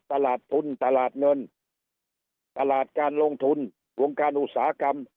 ตลาดทุนตลาดเงินตลาดการลงทุนวงการอุตสาหกรรม